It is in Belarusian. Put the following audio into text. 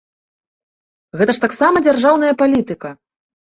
Гэта ж таксама дзяржаўная палітыка.